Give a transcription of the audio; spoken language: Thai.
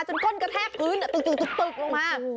ก้นกระแทกพื้นตึกลงมา